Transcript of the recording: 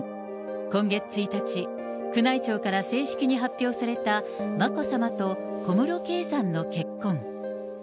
今月１日、宮内庁から正式に発表された眞子さまと小室圭さんの結婚。